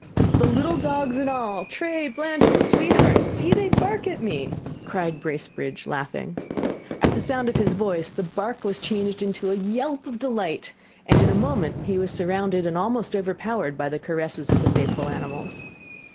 "The little dogs and all, Tray, Blanch, and Sweetheart see, they bark at me!" cried Bracebridge, laughing. At the sound of his voice the bark was changed into a yelp of delight, and in a moment he was surrounded and almost overpowered by the caresses of the faithful animals.